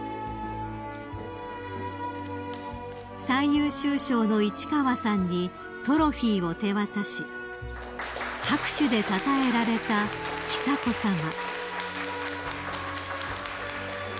［最優秀賞の市川さんにトロフィーを手渡し拍手でたたえられた久子さま］